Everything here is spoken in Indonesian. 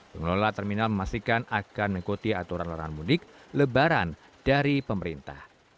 pengelola terminal memastikan akan mengikuti aturan larangan mudik lebaran dari pemerintah